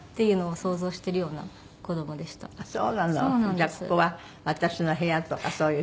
じゃあ「ここは私の部屋」とかそういう？